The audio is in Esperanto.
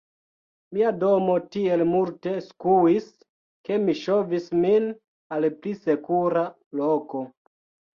Mia domo tiel multe skuis, ke mi ŝovis min al pli sekura loko.